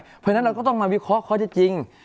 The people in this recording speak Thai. เพราะฉะนั้นเราก็ต้องมาวิเคราะห์ข้อที่จริง